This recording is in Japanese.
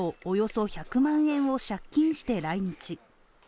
およそ１００万円を借金して来日。